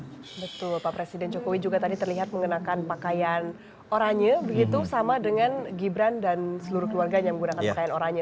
betul pak presiden jokowi juga tadi terlihat mengenakan pakaian oranye begitu sama dengan gibran dan seluruh keluarganya menggunakan pakaian oranye